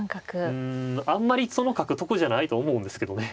あんまりその角得じゃないと思うんですけどね。